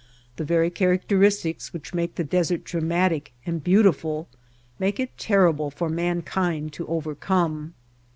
The very characteristics which make the desert dramatic and beautiful make it ter rible for mankind to overcome.